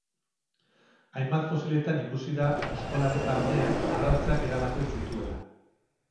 Hainbat fosiletan ikusi da oskolaren barnean arrautzak eramaten zituela.